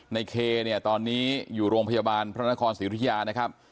ในเคเนี่ยตอนนี้อยู่โรงพยาบาลพระนครศรีอุทยานะครับ